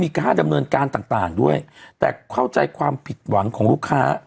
ค่าดำเนินการต่างต่างด้วยแต่เข้าใจความผิดหวังของลูกค้า